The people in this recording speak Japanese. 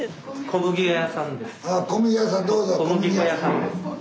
小麦粉屋さんです。